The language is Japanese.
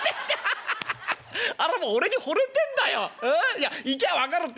いや行きゃ分かるって。